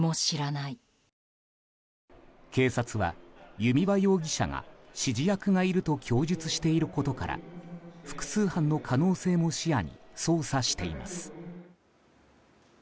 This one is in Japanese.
警察は弓場容疑者が指示役がいると供述していることから複数犯の可能性も視野に捜査しています。